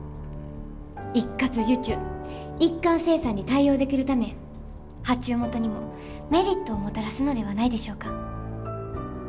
一括受注一貫生産に対応できるため発注元にもメリットをもたらすのではないでしょうか？